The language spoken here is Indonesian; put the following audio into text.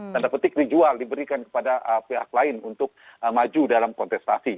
tanda petik dijual diberikan kepada pihak lain untuk maju dalam kontestasi